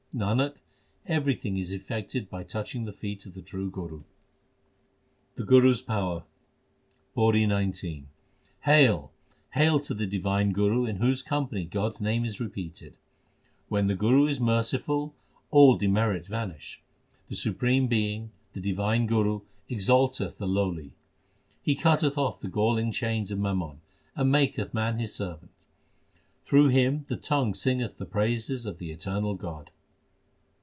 Nanak, everything is effected by touching the feet of the true Guru. The Guru s power : PAURI XIX Hail ! hail to the divine Guru in whose company God s name is repeated ! When the Guru is merciful, all demerits vanish. The supreme being, the divine Guru, exalteth the lowly ; He cutteth off the galling chains of mammon, and maketh man his servant. Through him the tongue singeth the praises of the Eternal God.